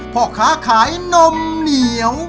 พ่อค้าขายนมเหนียว